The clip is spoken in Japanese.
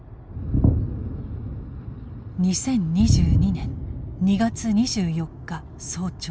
２０２２年２月２４日早朝。